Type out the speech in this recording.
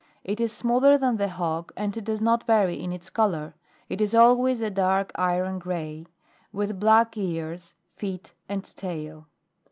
It is smaller than the hog, and does not vary in its colour, it is always a dark iron gray, with black ears, feet and tail.